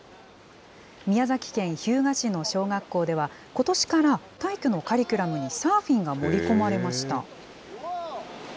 宮崎県日向市の小学校では、ことしから体育のカリキュラムにサーフィンが盛り込まれました。